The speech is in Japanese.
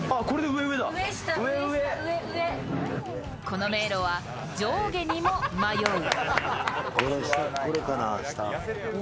この迷路は上下にも迷う。